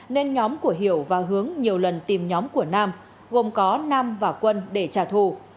nên nhóm của hiểu và hướng nhiều lần tìm nhóm của nam gồm có nam và quân để trả thù